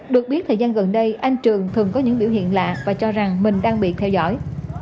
được biết thời gian gần đây anh trường thường có những biểu hiện lạ và cho rằng mình đang bị theo dõi